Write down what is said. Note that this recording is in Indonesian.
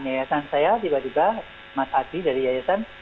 yayasan saya tiba tiba mas adi dari yayasan